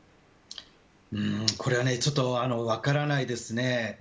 これはちょっと分からないですね。